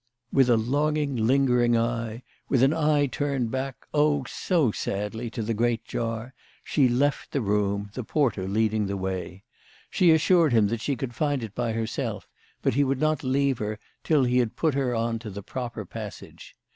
With a longing, lingering eye, with an eye turned back, oh ! so sadly, to the great jar, she left the room, the porter leading the way. She assured him that she could find it by herself, but he would not leave her CHRISTMAS AT THOMPSON HALL. 211 till he had put her on to the proper passage.